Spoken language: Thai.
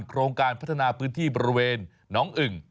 โครงการพัฒนาพื้นที่บริเวณน้องอึ่ง